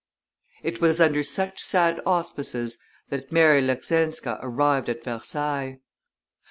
It was under such sad auspices that Mary Leckzinska arrived at Versailles.